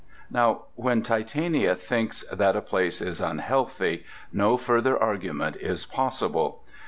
Now when Titania thinks that a place is unhealthy no further argument is possible.